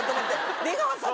「出川さん